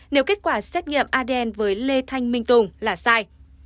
nếu kết quả xét nghiệm adn với lê thanh minh tùng là sai